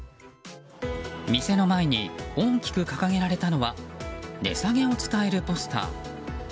店の前に大きく掲げられたのは値下げを伝えるポスター。